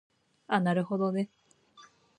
あなるほどね